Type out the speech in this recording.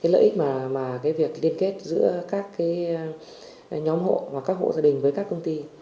lợi ích mà việc liên kết giữa các nhóm hộ và các hộ gia đình với các công ty